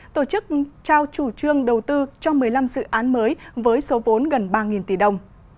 tổ chức trao chủ trương đầu tư cho một mươi năm dự án mới với số vốn gần ba tỷ đồng